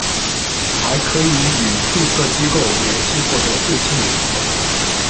还可以与注册机构联系获得最新名册。